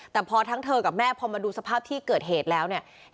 แต่พอทั้งเธอกับแม่พอมาดูสภาพที่เกิดเหตุแล้วเนี่ย